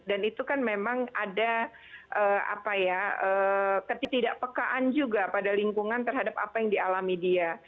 dan itu kan memang ada apa ya ketidakpekaan juga pada lingkungan terhadap apa yang dialami dia